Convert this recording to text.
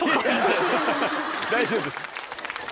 大丈夫です。